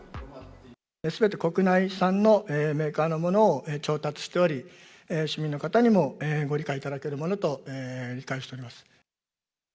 すべて国内産のメーカーのものを調達しており、市民の方にもご理解いただけるものと理解しております。